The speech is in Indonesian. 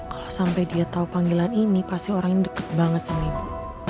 kalau sampai dia tahu panggilan ini pasti orang ini dekat banget sama ibu